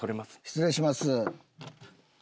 失礼します。